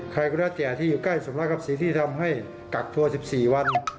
ใครก็แล้วแต่ที่อยู่ใกล้สมรักกับสิ่งที่ทำให้กักตัว๑๔วัน